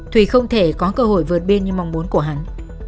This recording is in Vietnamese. thùy không thể có cơ hội vượt biên như mong muốn của hắn